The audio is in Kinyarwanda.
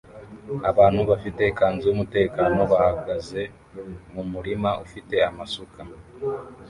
Abantu bafite ikanzu yumutekano bahagaze mumurima ufite amasuka